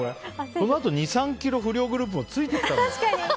そのあと２３ｋｍ不良グループがついてきたんだよ。